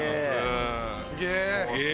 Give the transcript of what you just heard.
すげえ。